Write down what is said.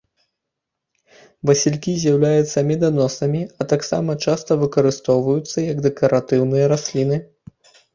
Васількі з'яўляюцца меданосамі, а таксама часта выкарыстоўваюцца як дэкаратыўныя расліны.